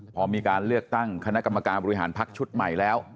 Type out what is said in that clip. พอมีการเลือกตั้งคณะกรรมการบริหารพักชุดใหม่แล้ว